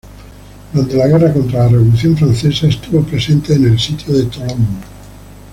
Durante las guerras contra la Revolución Francesa estuvo presente en el sitio de Tolón.